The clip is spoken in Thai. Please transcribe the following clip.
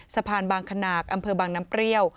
สะพานบางขนาดอำเภอบางน้ำเปรี้ยว